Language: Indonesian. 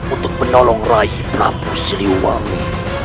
untuk menolong raih prabu siliwangi